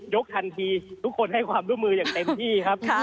ทันทีทุกคนให้ความร่วมมืออย่างเต็มที่ครับ